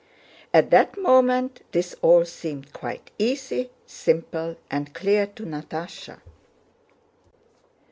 At that moment this all seemed quite easy, simple, and clear to Natásha.